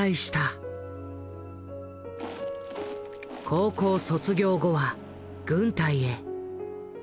高校卒業後は軍隊へ。